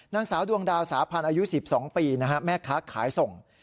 นางสาวดวงดาวสาพันธ์อายุสิบสองปีนะฮะแม่ค้าขายส่ง